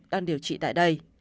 đang điều trị tại đây